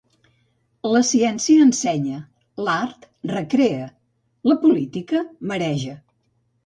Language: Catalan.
La ciència ensenya, l'art recrea, la política mareja.